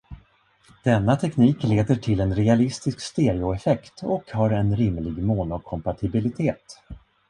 Denna teknik leder till en realistisk stereoeffekt och har en rimlig monokompatibilitet.